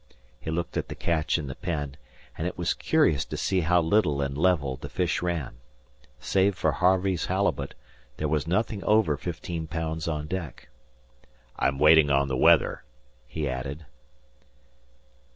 He looked at the catch in the pen, and it was curious to see how little and level the fish ran. Save for Harvey's halibut, there was nothing over fifteen pounds on deck. "I'm waitin' on the weather," he added.